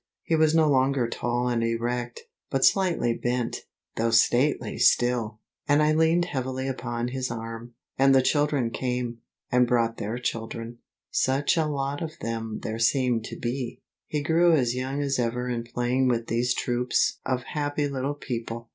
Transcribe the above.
He was no longer tall and erect, but slightly bent, though stately still. And I leaned heavily upon his arm. And the children came, and brought their children such a lot of them there seemed to be. He grew as young as ever in playing with these troops of happy little people.